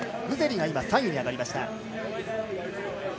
グゼリ、３位に上がりました。